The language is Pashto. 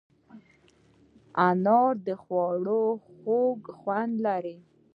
انار د خوړو خوږ خوند لري.